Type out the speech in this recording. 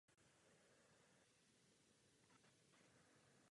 Napsal několik knih pamětí a poznámek.